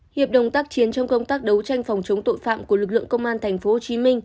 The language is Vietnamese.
hiệp đồng tác chiến trong công tác đấu tranh phòng chống tội phạm của lực lượng công an tp hcm